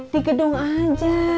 di gedung aja